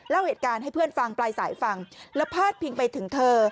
เล่าเหตุการณ์ให้เพื่อนฟังปลายสายฟังแล้วพาดพิงไปถึงเธอ